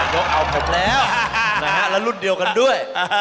ยกเอาผมแล้วแล้วรุ่นเดียวกันด้วย